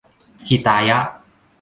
หิตายะ